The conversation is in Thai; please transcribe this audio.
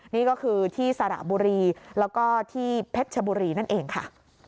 นี่ก็คือที่สระบุรีแล้วก็ที่เพชรชบุรีนั่นเองค่ะ